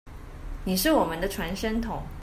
你是我們的傳聲筒